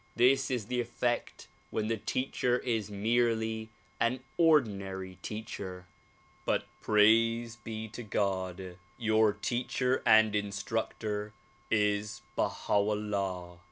This is the effect when the teacher is merely an ordinary teacher. But praise be to God! your teacher and instructor is Baha 'Ullah.